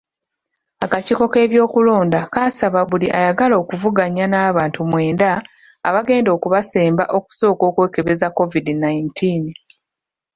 Akakiiko k'ebyokulonda kaasaba buli ayagala okuvuganya n'abantu mwenda abagenda okubasemba okusooka okwekebeza Covid nineteen.